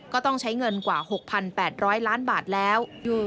ก็ต้องใช้เงินกว่า๖๘๐๐ล้านบาทแล้ว